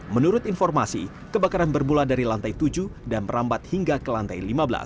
menurut informasi kebakaran bermula dari lantai tujuh dan merambat hingga ke lantai lima belas